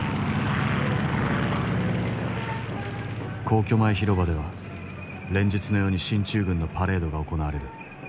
皇居前広場では連日のように進駐軍のパレードが行われる。